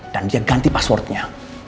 dan dia ganti passwordnya